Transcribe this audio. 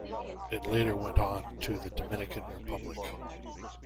It later went on to the Dominican Republic.